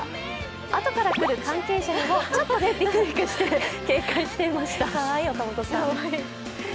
あとから来る関係者にもちょっとびくびくして警戒していました。